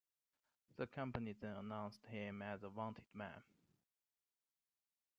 The company then announced him as a wanted man.